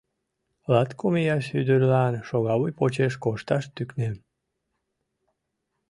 Латкум ияш ӱдырлан шогавуй почеш кошташ тӱкнен.